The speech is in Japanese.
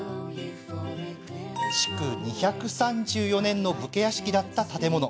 築２３４年の武家屋敷だった建物。